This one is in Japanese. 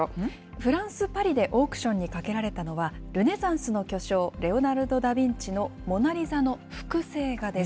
フランス・パリでオークションにかけられたのは、ルネサンスの巨匠、レオナルド・ダ・ヴィンチのモナリザの複製画です。